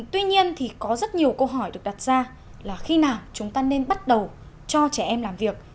tuy nhiên thì có rất nhiều câu hỏi được đặt ra là khi nào chúng ta nên bắt đầu cho trẻ em làm việc